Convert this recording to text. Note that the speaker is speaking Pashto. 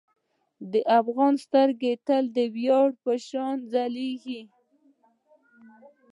د افغان سترګې تل د ویاړ په شان ځلیږي.